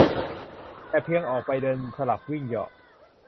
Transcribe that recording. แค่เพียงออกไปเดินสลับวิ่งเหยาะ